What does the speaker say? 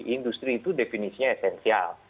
industri itu definisinya esensial